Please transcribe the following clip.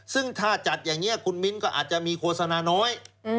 ซึ่งถ้าจัดอย่างนี้คุณมิ้นก็อาจจะมีโฆษณาน้อย